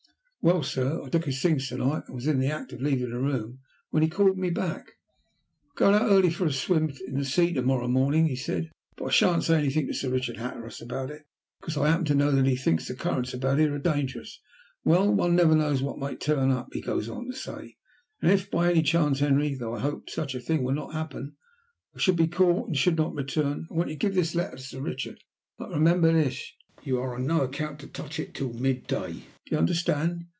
Well, sir, I took his things to night, and was in the act of leaving the room, when he called me back. 'I'm going out early for a swim in the sea to morrow morning,' he said, 'but I shan't say anything to Sir Richard Hatteras about it, because I happen to know that he thinks the currents about here are dangerous. Well, one never knows what may turn up,' he goes on to say, 'and if, by any chance, Henry though I hope such a thing will not happen I should be caught, and should not return, I want you to give this letter to Sir Richard. But remember this, you are on no account to touch it until mid day. Do you understand?'